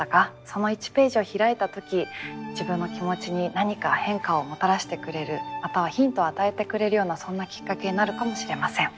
その１ページを開いた時自分の気持ちに何か変化をもたらせてくれるまたはヒントを与えてくれるようなそんなきっかけになるかもしれません。